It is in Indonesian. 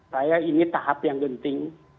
saya ini tahap yang genting